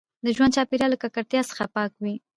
د ژوند چاپیریال له ککړتیا څخه پاک وي.